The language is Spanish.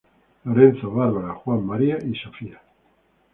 Lorenzo, Bárbara, Juan, María y Sofía.